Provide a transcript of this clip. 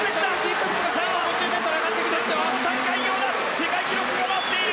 世界記録を上回っている！